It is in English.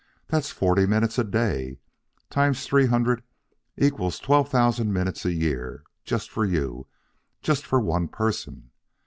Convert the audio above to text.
That's forty minutes a day, times three hundred, equals twelve thousand minutes a year, just for you, just for one person.